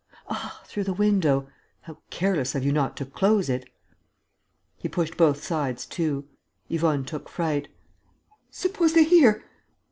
Ah, through the window!... How careless of you not to close it!" He pushed both sides to. Yvonne took fright: "Suppose they hear!"